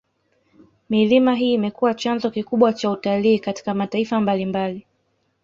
Milima hii imekuwa chanzo kikubwa cha utalii katika mataifa mabalimbali